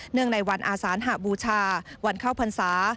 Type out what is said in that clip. ในวันอาสานหบูชาวันเข้าพรรษา